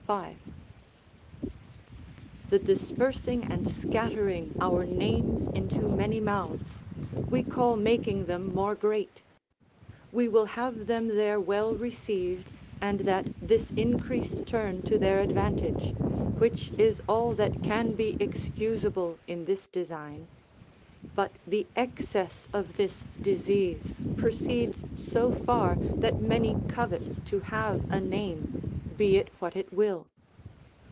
5.] The dispersing and scattering our names into many mouths, we call making them more great; we will have them there well received, and that this increase turn to their advantage, which is all that can be excusable in this design. But the excess of this disease proceeds so far that many covet to have a name, be it what it will.